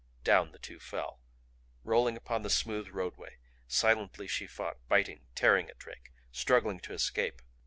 Down the two fell, rolling upon the smooth roadway. Silently she fought, biting, tearing at Drake, struggling to escape.